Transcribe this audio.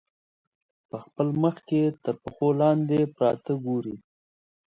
په خپل مخ کې تر پښو لاندې پراته ګوري.